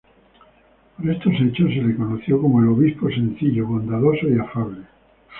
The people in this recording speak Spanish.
Por estos hechos se le conoció como al "obispo sencillo, bondadoso y afable".